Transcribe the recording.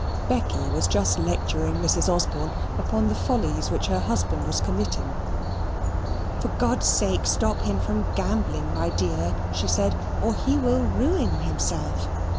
Becky was just lecturing Mrs. Osborne upon the follies which her husband was committing. "For God's sake, stop him from gambling, my dear," she said, "or he will ruin himself.